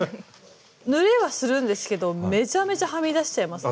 塗れはするんですけどめちゃめちゃはみ出しちゃいますね。